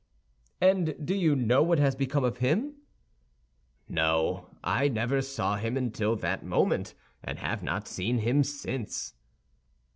"And do you know what has become of him?" "No, I never saw him until that moment, and have not seen him since."